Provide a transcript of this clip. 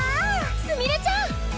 すみれちゃん！